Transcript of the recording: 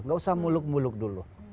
gak usah muluk muluk dulu